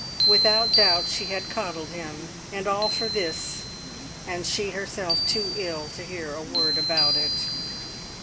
Without doubt she had coddled him, and all for this, and she herself too ill to hear a word about it!